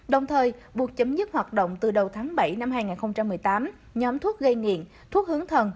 đồng thời buộc chấm dứt hoạt động từ đầu tháng bảy năm hai nghìn một mươi tám nhóm thuốc gây nghiện thuốc hướng thần